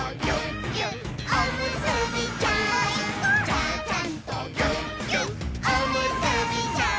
「ちゃちゃんとぎゅっぎゅっおむすびちゃん」